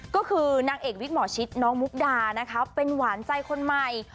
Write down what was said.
ก็คือนางเอกวิกหมอชิดน้องมุกดานะคะเป็นหวานใจคนใหม่